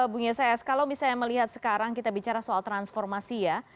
bung yeses kalau misalnya melihat sekarang kita bicara soal transformasi ya